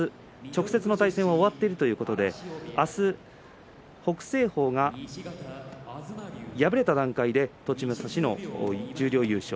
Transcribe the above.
直接の対戦は終わっているということで明日、北青鵬が敗れた段階で栃武蔵の十両優勝。